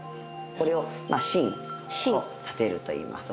これを「真を立てる」といいます。